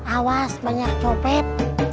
awas banyak copet